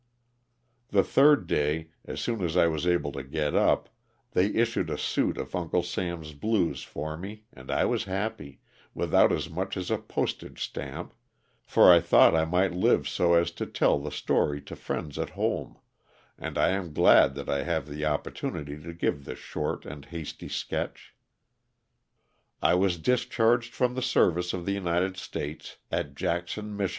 The third day, as soon as I was able to get up, they issued a suit of Uncle Sam's blues for mo and I was happy, without as much as a postage stamp, for I thought I might live so as to tell the story to friends at home, and I am glad that I have the op portunity to give this short and hasty sketch. I was discharged from the service of the United States at Jackson, Mich.